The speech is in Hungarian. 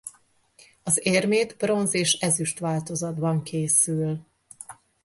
Az érmét bronz és ezüst változatban készül.